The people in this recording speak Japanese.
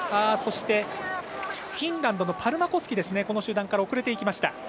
そして、フィンランドのパルマコスキが集団から遅れていきました。